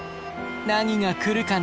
何が来るかな？